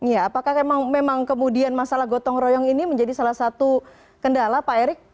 ya apakah memang kemudian masalah gotong royong ini menjadi salah satu kendala pak erik